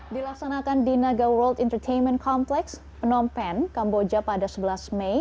dilaksanakan di naga world entertainment complex phnom penh kamboja pada sebelas mei